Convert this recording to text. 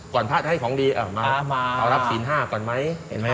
ก่อนพระอาทิตย์ให้ของดีมาเอารับศีล๕ก่อนไหม